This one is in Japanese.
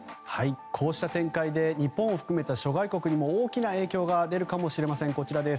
こうした展開で日本を含めた諸外国にも大きな影響が出るかもしれません。